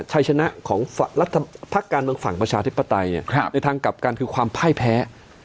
ชัยชนะของพักการเมืองฝั่งประชาธิปไตยในทางกลับกันคือความพ่ายแพ้